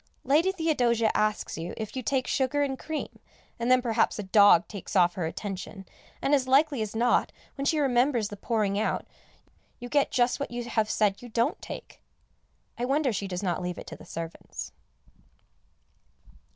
Lady Theodosia asks you if you take sugar and cream, and then perhaps a dog takes off her attention, and as likely as not, when she remembers the pouring out, you get just what you have said you don't take. I wonder she does not leave it to the servants.